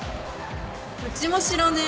うちも知らねえ。